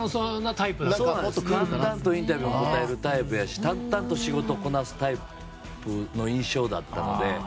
もっと淡々とインタビューに答えるタイプやし淡々と仕事をこなすタイプの印象だったので。